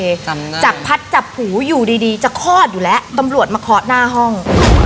จำได้จับพัดจับหูอยู่ดีจะคลอดอยู่ละตำรวจมาคลอดหน้าห้อง